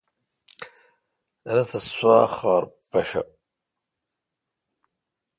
رس تہ سوا خار پیشو ۔